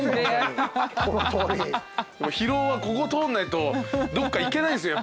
広尾はここ通んないとどっか行けないんすよ